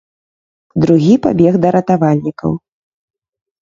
Другі пабег да ратавальнікаў.